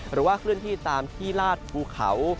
หรือว่าเคลื่อนที่ตามที่ลาดภูเขา